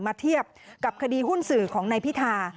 เทียบกับคดีหุ้นสื่อของนายพิธา